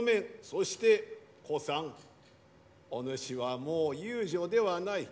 そして小さんお主はもう遊女ではない。